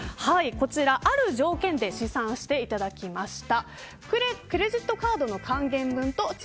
ある条件で試算していただきました。